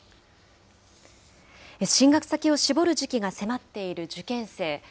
進学先を絞る時期が迫っている受験生。